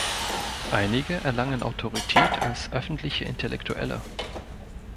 Einige erlangen Autorität als öffentliche Intellektuelle.